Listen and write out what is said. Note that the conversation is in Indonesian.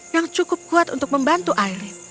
yang cukup kuat untuk membantu aile